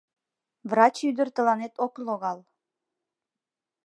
Врач ӱдыр тыланет ок логал!